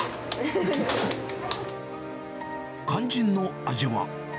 肝心の味は。